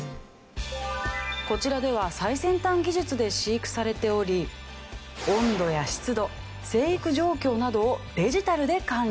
こちらでは最先端技術で飼育されており温度や湿度生育状況などをデジタルで管理。